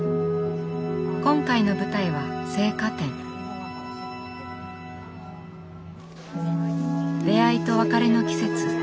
今回の舞台は出会いと別れの季節